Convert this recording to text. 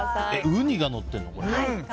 ウニがのってるの、これ。